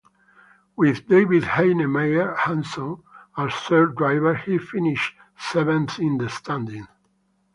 With David Heinemeier Hansson as third driver, he finished seventh in the standings.